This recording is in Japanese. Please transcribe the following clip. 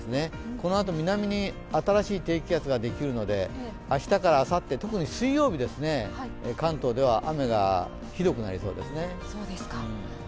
このあと南に新しい低気圧ができるので、明日からあさって、特に水曜日関東では雨がひどくなりそうですね。